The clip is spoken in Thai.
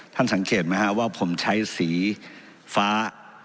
ท่านสังเกตไหมว่าผมใช้สีฟ้า